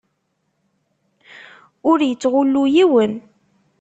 Ur yettɣullu yiwen.